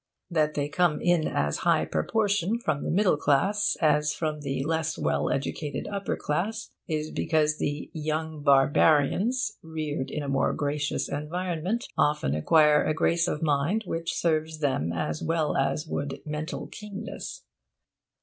That they come in as high proportion from the middle class as from the less well educated upper class, is because the 'young Barbarians,' reared in a more gracious environment, often acquire a grace of mind which serves them as well as would mental keenness.)